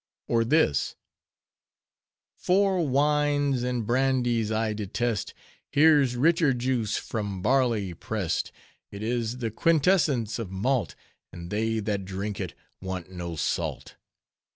Or this, "Four wines and brandies I detest, Here's richer juice from barley press'd. It is the quintessence of malt, And they that drink it want no salt.